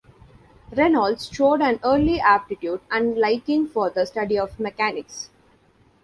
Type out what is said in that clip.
Reynolds showed an early aptitude and liking for the study of mechanics.